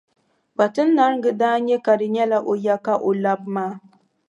Kpatinariŋga daa nya ka di nyɛla o ya ka o labi maa.